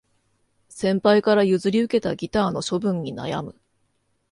先輩から譲り受けたギターの処分に悩む